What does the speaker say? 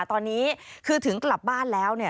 ตอนนี้คือถึงกลับบ้านแล้ว